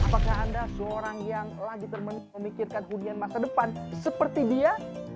apakah anda seorang yang lagi termenuh memikirkan hujan masa depan seperti dia